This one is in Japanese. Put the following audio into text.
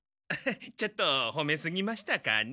ちょっとほめすぎましたかね。